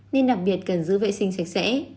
nên đặc biệt cần giữ vệ sinh sạch sẽ